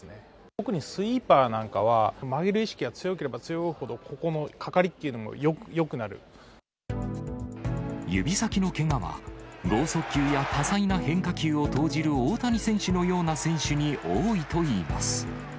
特にスイーパーなんかは曲げる意識が強ければ強いほど、ここのか指先のけがは、剛速球や多彩な変化球を投じる大谷選手のような選手に多いといいます。